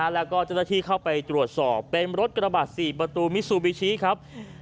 แล้วก็เจ้าหน้าที่เข้าไปตรวจสอบเป็นรถกระบะ๔ประตูมิซูบิชิครับ